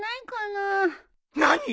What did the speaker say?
何！？